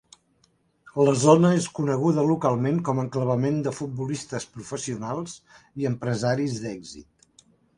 La zona és coneguda localment com a enclavament de futbolistes professionals i empresaris d'èxit.